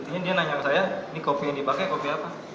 ini dia nanya ke saya ini kopi yang dipakai kopi apa